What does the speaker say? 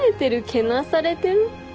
けなされてる？